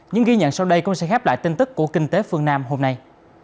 những ghi nhận sau đây cũng sẽ khép lại tin tức của kinh tế phương nam hôm nay